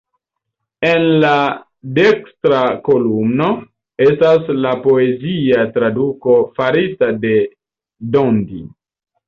En la dekstra kolumno estas la poezia traduko farita de Dondi.